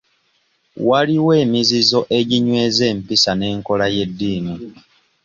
Waliwo emizizo eginyweza empisa n'enkola y'eddiini.